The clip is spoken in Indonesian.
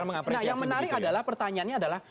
nah yang menarik adalah pertanyaannya adalah